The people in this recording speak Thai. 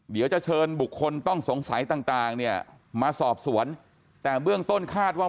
เดี๋ยวจะเชิญบุคคลต้องสงสัยต่างเนี่ยมาสอบสวนแต่เบื้องต้นคาดว่า